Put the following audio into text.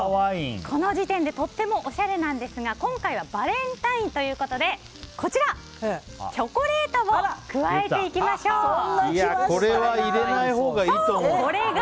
この時点でとってもおしゃれなんですが今回はバレンタインということでチョコレートも加えていきましょう。